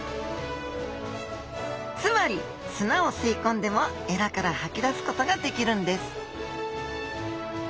つまり砂を吸い込んでもエラから吐き出すことができるんです